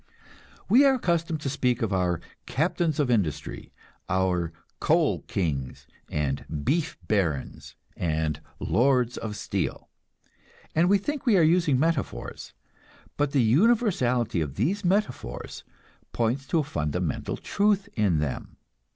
We are accustomed to speak of our "captains of industry," our "coal kings," and "beef barons" and "lords of steel," and we think we are using metaphors; but the universality of these metaphors points to a fundamental truth in them.